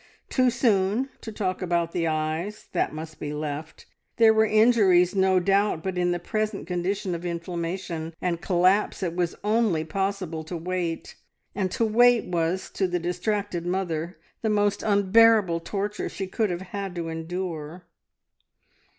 Too soon to talk about the eyes. That must be left. There were injuries, no doubt, but in the present condition of inflammation and collapse it was only possible to wait. And to wait was, to the distracted mother, the most unbearable torture she could have had to endure.